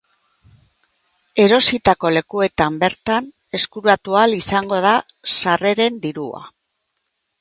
Erositako lekuetan bertan eskuratu ahal izango da sarreren dirua.